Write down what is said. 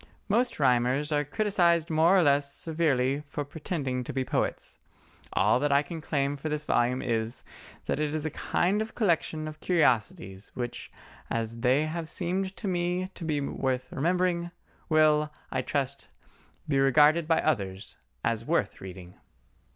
Most rhymers are criticised more or less severely for pretending to be poets; all that I can claim for this volume is, that it is a kind of collection of curiosities which, as they have seemed to me to be worth remembering, will, I trust, be regarded by others as worth reading.